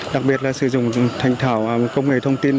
đặc biệt là sử dụng thành thảo công nghệ thông tin